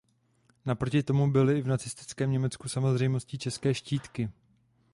Naproti tomu byly i v nacistickém Německu samozřejmostí české štítky.